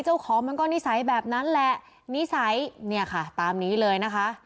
มันก็นิสัยแบบนั้นแหละนิสัยเนี่ยค่ะตามนี้เลยนะคะ